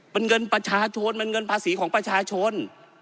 มันเงินประชาชนมันเงินภาษีของประชาชน